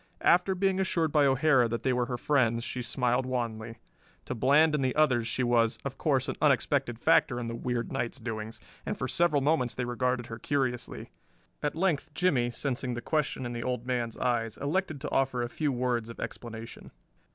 After being assured by O'Hara that they were her friends she smiled wanly. To Bland and the others she was, of course, an unexpected factor in the weird night's doings, and for several moments they regarded her curiously. At length Jimmie, sensing the question in the Old Man's eyes, elected to offer a few words of explanation.